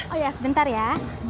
oh ya sebentar ya